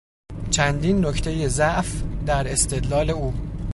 چندین نکتهی ضعف در استدلال او